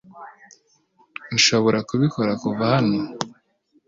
Nshobora kubikora kuva hano .